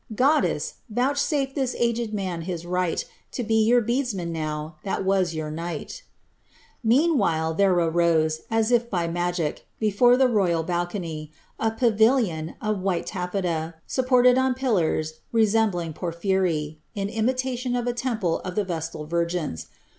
Goddess, vouchsafe this aged man his right, To be your beadsman now, that was your kni^t'* Meanwhile there arose, as if by magic, before the ro3ral balcony, a panllon of white tafieta, supported on pillars resembling porph3nry, in ■utation of a temple of the Vestal Virgins.